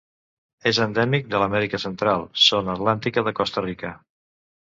És endèmic de l'Amèrica Central: zona atlàntica de Costa Rica.